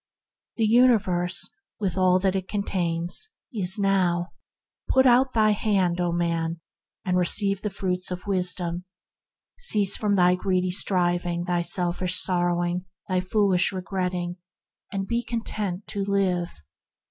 The universe, with all that it contains, is now. Put out thy hand, O man, and receive the fruits of Wisdom! Cease from thy greedy striving, thy selfish sorrowing, thy foolish re gretting, and be content to live.